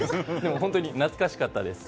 本当に懐かしかったです。